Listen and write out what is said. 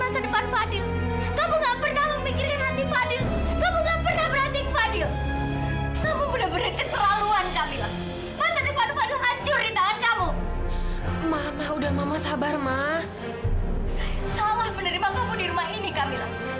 saya salah menerima kamu di rumah ini kamila